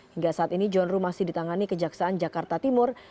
hingga saat ini john ruh masih ditangani kejaksaan jakarta timur